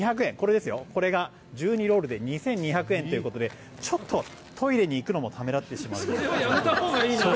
これが１２ロールで２２００円ということでちょっとトイレに行くのもためらってしまうような。